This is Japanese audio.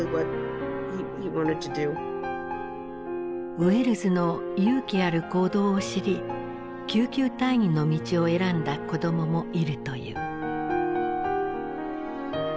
ウェルズの勇気ある行動を知り救急隊員の道を選んだ子どももいるという。